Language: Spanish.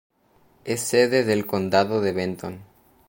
Es sede del condado de Benton.